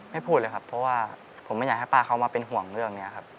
พูดเลยครับเพราะว่าผมไม่อยากให้ป้าเขามาเป็นห่วงเรื่องนี้ครับ